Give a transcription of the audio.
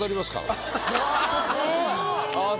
ああ